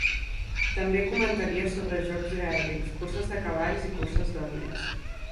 També comentaria sobre jocs gaèlics, curses de cavalls i curses d'arnès.